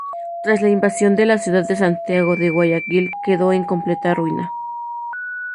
Tras la invasión la ciudad de Santiago de Guayaquil quedó en completa ruina.